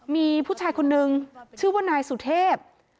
มีผู้ชายคนนึงชื่อว่านายสุเทพ